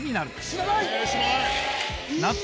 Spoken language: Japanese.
知らない！